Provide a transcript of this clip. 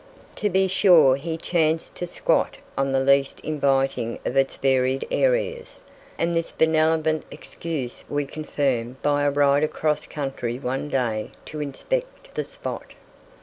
To be sure he chanced to squat on the least inviting of its varied areas, and this benevolent excuse we confirmed by a ride across country one day to inspect the spot.